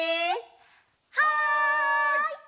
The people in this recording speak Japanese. はい！